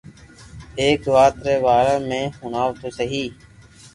ايڪ وات ري بارا ۾ ھڻاو تو سھي